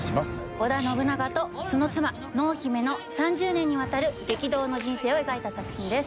織田信長とその妻・濃姫の３０年にわたる激動の人生を描いた作品です。